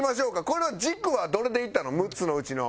これは軸はどれでいったの？